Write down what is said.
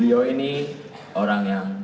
dia ini orang yang